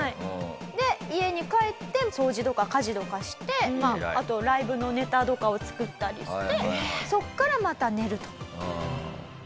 で家に帰って掃除とか家事とかしてあとライブのネタとかを作ったりしてそこからまた寝ると。